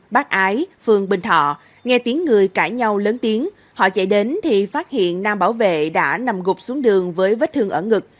bác ái phường bình thọ nghe tiếng người cãi nhau lớn tiếng họ chạy đến thì phát hiện nam bảo vệ đã nằm gục xuống đường với vết thương ở ngực